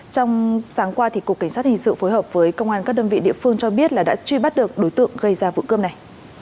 trong sáng qua cục cảnh sát hình sự phối hợp với công an các đơn vị địa phương cho biết là đã truy bắt được đối tượng gây ra vụ cướp này